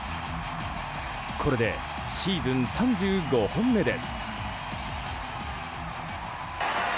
これでシーズン３５本目です。